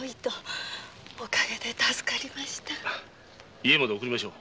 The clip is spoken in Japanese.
家まで送りましょう。